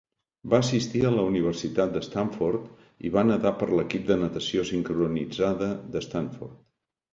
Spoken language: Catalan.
Va assistir a la Universitat de Stanford i va nedar per l'equip de natació sincronitzada de Stanford.